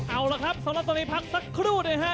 เอาละครับ๒ละตอนนี้พักสักครู่เลยฮะ